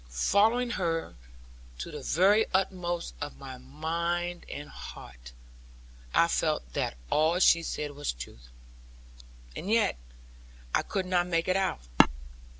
Following her, to the very utmost of my mind and heart, I felt that all she said was truth; and yet I could not make it out.